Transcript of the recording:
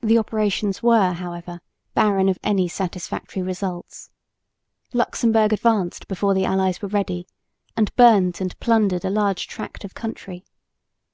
The operations were, however, barren of any satisfactory results. Luxemburg advanced before the allies were ready, and burnt and plundered a large tract of country.